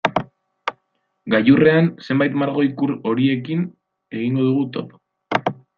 Gailurrean zenbait margo-ikur horirekin egingo dugu topo.